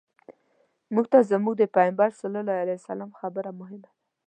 موږ ته زموږ د پیغمبر صلی الله علیه وسلم خبره مهمه ده.